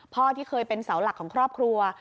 ที่เคยเป็นเสาหลักของครอบครัว